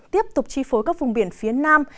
tiếp tục chi phối các vùng biển phía nam